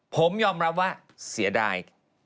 ผมยอมรับว่าเสียดาย